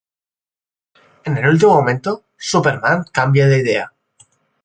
En el último momento, Superman cambia de idea.